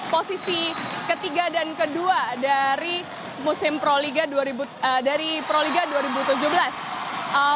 posisi ketiga dan kedua dari musim proliga dua ribu tujuh belas